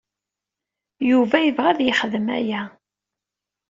Yuba yebɣa ad yexdem aya.